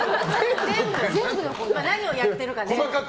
何をやってるかね。